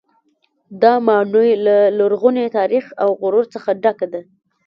دا ماڼۍ له لرغوني تاریخ او غرور څخه ډکه ده.